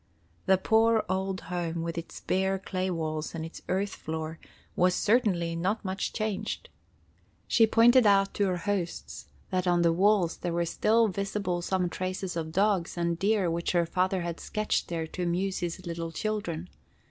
The poor old home with its bare clay walls and its earth floor was certainly not much changed. She pointed out to her hosts that on the walls there were still visible some traces of dogs and deer which her father had sketched there to amuse his little children.